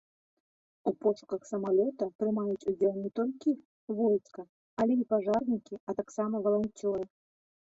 У пошуках самалёта прымаюць удзел не толькі войска, але і пажарнікі, а таксама валанцёры.